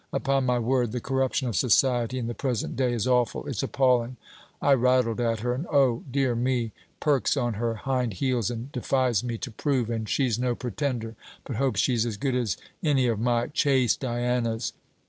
Upon my word, the corruption of society in the present day is awful; it's appalling. I rattled at her: and oh! dear me, perks on her hind heels and defies me to prove: and she's no pretender, but hopes she's as good as any of my "chaste Dianas."